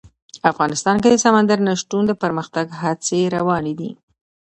افغانستان کې د سمندر نه شتون د پرمختګ هڅې روانې دي.